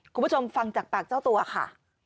คุณผู้ชมฟังจากปากเจ้าตัวค่ะ